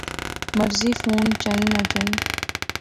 مرضی فون چائیں نہ چائیں